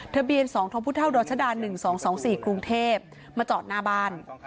ทะเบียนสองทองพุท่าวดรชดาหนึ่งสองสองสี่กรุงเทพมาจอดหน้าบ้าน